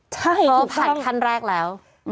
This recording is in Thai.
ใช่ถูกต้องเพราะผ่านขั้นแรกแล้ว